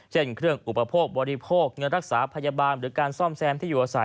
เช่นเครื่องอุปโภคบริโภคเงินรักษาพยาบาลหรือการซ่อมแซมที่อยู่อาศัย